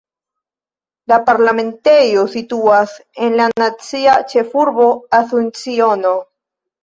La parlamentejo situas en la nacia ĉefurbo Asunciono.